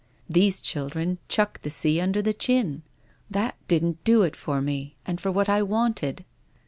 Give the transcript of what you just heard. These children chucked the sea under the chin. That didn't do for me, and for what I wanted."